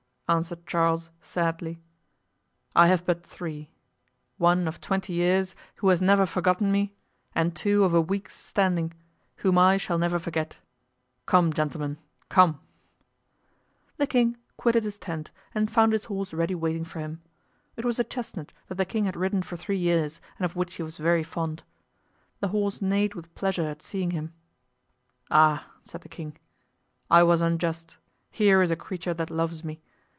answered Charles, sadly, "I have but three—one of twenty years, who has never forgotten me, and two of a week's standing, whom I shall never forget. Come, gentlemen, come!" The king quitted his tent and found his horse ready waiting for him. It was a chestnut that the king had ridden for three years and of which he was very fond. The horse neighed with pleasure at seeing him. "Ah!" said the king, "I was unjust; here is a creature that loves me.